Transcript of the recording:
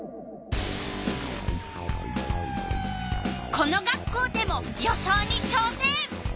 この学校でも予想にちょうせん！